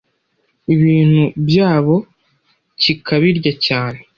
ibintu byabo kikabirya cyane